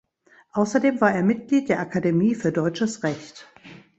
Außerdem war er Mitglied der Akademie für Deutsches Recht.